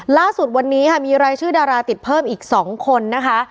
ล่าสุดวันนี้ค่ะมีรายชื่อดาราติดเพิ่มอีก๒คนนะคะ